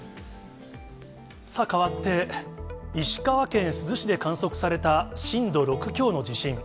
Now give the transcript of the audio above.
さあ、かわって、石川県珠洲市で観測された震度６強の地震。